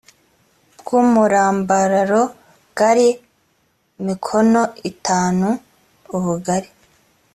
bw umurambararo bwari mikono itanu ubugari